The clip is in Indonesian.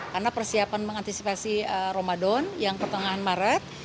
karena persiapan mengantisipasi ramadan yang pertengahan maret